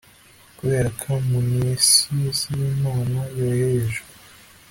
kuberako amanuensis yimana yoherejwe